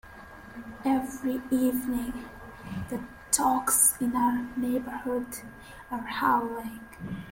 Every evening, the dogs in our neighbourhood are howling.